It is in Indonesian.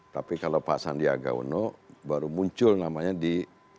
tapi kalau pak sati aga uno baru muncul namanya di survei